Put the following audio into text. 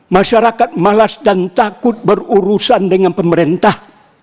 masyarakat malas dan takut berurusan dengan pemerintah